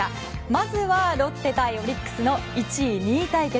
まずは、ロッテ対オリックスの１位２位対決。